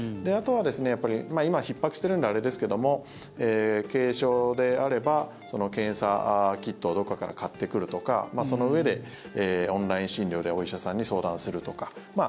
あとは、今はひっ迫してるんであれですけども軽症であれば、検査キットをどこかから買ってくるとかそのうえで、オンライン診療でお医者さんに相談するとか。